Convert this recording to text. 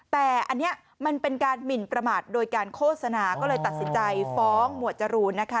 แต่อันนี้มันเป็นการหมินประมาทโดยการโฆษณาก็เลยตัดสินใจฟ้องหมวดจรูนนะคะ